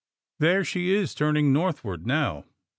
There, she is turning northward, now."